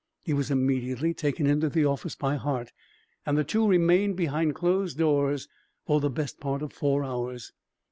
He was immediately taken into the office by Hart and the two remained behind closed doors for the best part of four hours.